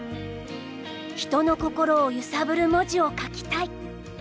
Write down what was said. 人の心を揺さぶる文字を書きたい。